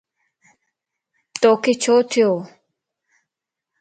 توکَ ڇو ٿيوَ؟